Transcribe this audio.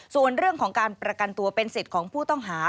ส่วนเรื่องของการประกันตัวเป็นสิทธิ์ของผู้ต้องหา